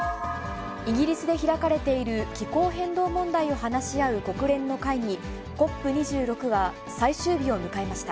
イギリスで開かれている気候変動問題を話し合う国連の会議、ＣＯＰ２６は、最終日を迎えました。